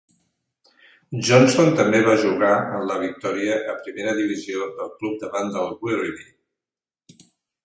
Johnson també va jugar en la victòria a primera divisió del club davant del Werribee.